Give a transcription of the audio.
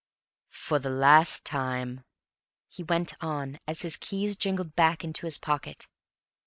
"For the last time," he went on, as his keys jingled back into his pocket.